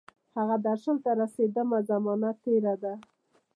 هغه درشل ته رسیدمه، زمانه تیره ده